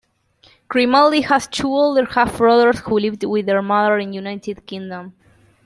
Grimaldi has two older half-brothers who live with their mother in United Kingdom.